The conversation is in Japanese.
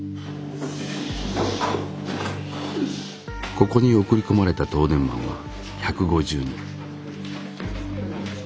ここに送り込まれた東電マンは１５０人。